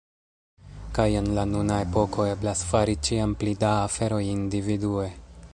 Kaj en la nuna epoko eblas fari ĉiam pli da aferoj individue.